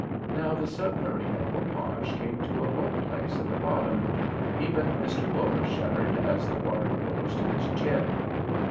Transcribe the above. Now the submarine equipage came to a low place in the bottom, and even Mr. Buller shuddered as the water rose to his chin.